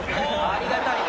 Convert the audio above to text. ありがたいね。